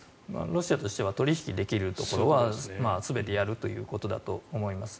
ロシアとしては取引できるところは全てやるということだと思います。